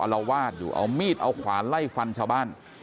ละวาดอยู่เอามีดเอาขวานไล่ฟันชาวบ้าน